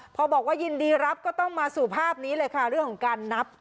พอบอกว่ายินดีรับก็ต้องมาสู่ภาพนี้เลยค่ะเรื่องของการนับ